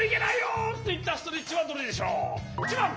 １ばん！